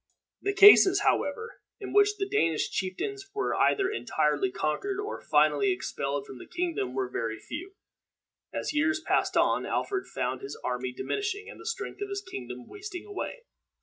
The cases, however, in which the Danish chieftains were either entirely conquered or finally expelled from the kingdom were very few. As years passed on, Alfred found his army diminishing, and the strength of his kingdom wasting away.